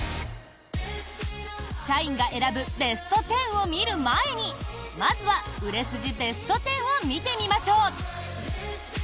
社員が選ぶベスト１０を見る前にまずは売れ筋ベスト１０を見てみましょう！